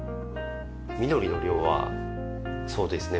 緑の量はそうですね。